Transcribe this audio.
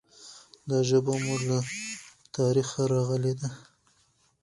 دا ژبه مو له تاریخه راغلي ده.